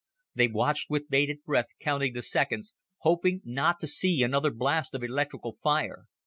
They watched with bated breath, counting the seconds, hoping not to see another blast of electrical fire.